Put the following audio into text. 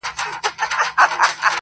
دعا لکه چي نه مني یزدان څه به کوو؟.!